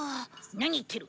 何言ってる。